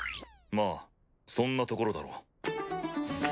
まあそんなところだろう。